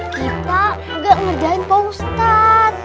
kita nggak ngerjain pak ustadz